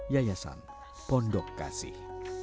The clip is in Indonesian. yayasan pondok kasih